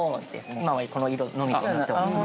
今はこの色のみとなっております。